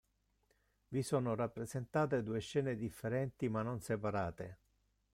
Vi sono rappresentate due scene differenti ma non separate.